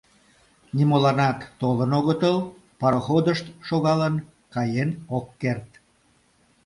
— Нимоланат толын огытыл, пароходышт шогалын, каен ок керт...